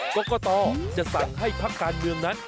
กรกตจะสั่งให้พักการเมืองนั้น